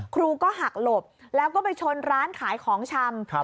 ครูก็หักหลบแล้วก็ไปชนร้านขายของชำ